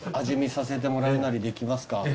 味見させてもらうなりできますか。